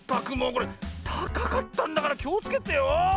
これたかかったんだからきをつけてよ。